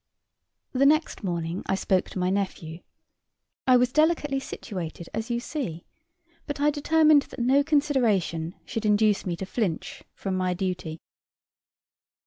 The next morning I spoke to my nephew I was delicately situated, as you see, but I determined that no consideration should induce me to flinch from my duty.